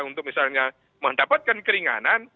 untuk misalnya mendapatkan keringanan